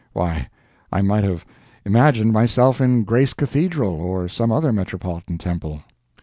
Why, I might have imagined myself in Grace Cathedral, or some other metropolitan temple.